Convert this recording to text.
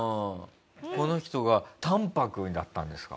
この人が淡泊だったんですか？